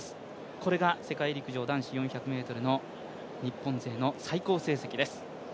これが世界陸上男子４００ｍの最高成績です。